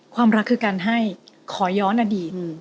ความรักคือการให้ขอย้อนอดีต